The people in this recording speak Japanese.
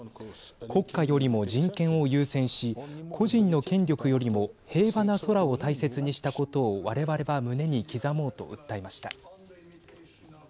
国家よりも人権を優先し個人の権力よりも平和な空を大切にしたことを我々は胸に刻もうと訴えました。